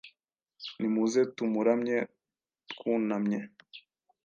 Nimuze tumuramye twunamye,